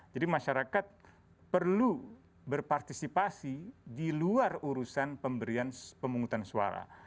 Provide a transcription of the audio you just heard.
jadi masyarakat perlu berpartisipasi di luar urusan pemberian pemungutan suara